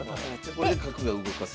これで角が動かせる。